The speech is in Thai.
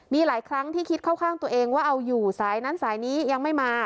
มีหลายครั้งที่คิดเข้าข้างตัวเองว่าเอาอยู่สายนั้นสายนี้ยังไม่มา